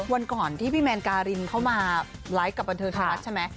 วันก่อนที่พี่แมนการินเข้ามาไลฟ์กับบันเทิงไทยรัฐใช่ไหม